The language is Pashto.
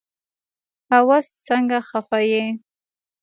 هوس سنګه خفه يي